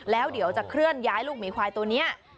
แล้วเดี๋ยวจะเคลื่อนย้ายลูกหมีควายตัวนี้